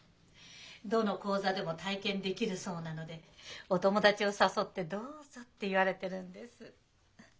どの講座でも体験できるそうなので「お友達を誘ってどうぞ」って言われてるんです。